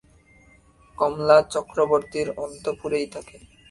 কমলা চক্রবর্তীর অন্তঃপুরেই থাকে।